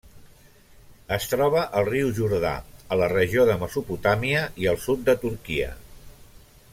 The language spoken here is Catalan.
Es troba al riu Jordà, a la regió de Mesopotàmia i al sud de Turquia.